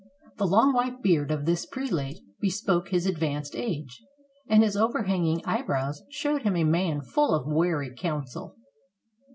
The long white beard of this prelate bespoke his advanced age, and his overhanging eyebrows showed him a man full of wary counsel.